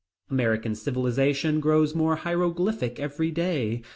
American civilization grows more hieroglyphic every day.